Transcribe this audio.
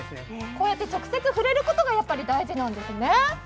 こうやって直接触れることが大事なんですね。